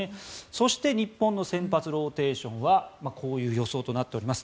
そして日本の先発ローテーションはこういう予想となっております。